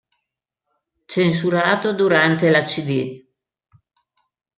Censurato durante la cd.